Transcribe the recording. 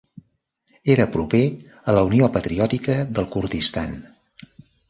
Era proper a la Unió Patriòtica del Kurdistan.